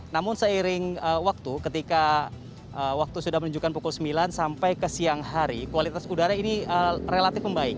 namun seiring waktu ketika waktu sudah menunjukkan pukul sembilan sampai ke siang hari kualitas udara ini relatif membaik